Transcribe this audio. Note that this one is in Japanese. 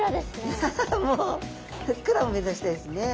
アハハもうふっくらを目指したいっすね。